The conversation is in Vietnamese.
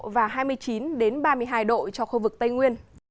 và hai mươi chín ba mươi hai độ cho khu vực tây nguyên